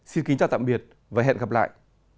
xin kính chào tạm biệt và hẹn gặp lại